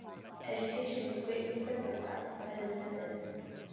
Education is greatly simplified by this method.